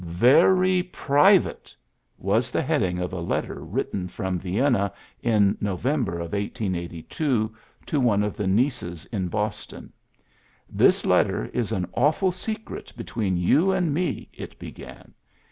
^^ Very private !^^ was the heading of a letter written from Vienna in ISTovember of 1882 to one of the nieces in Boston. ^^ This letter is an awful secret between you and me," it began.